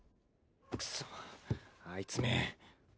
くそっあいつめ。